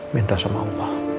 minta sama allah